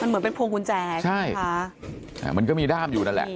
เหมือนเป็นพวงกุญแจใช่ไหมคะอ่ามันก็มีด้ามอยู่นั่นแหละ